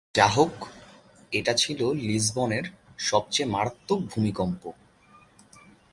যাহোক এটা ছিল লিসবনের সবচেয়ে মারাত্মক ভূমিকম্প।